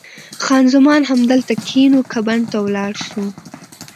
خان زمان: همدلته کښېنو که بڼ ته ولاړ شو؟